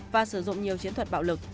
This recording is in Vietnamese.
và sử dụng nhiều chiến thuật bạo lực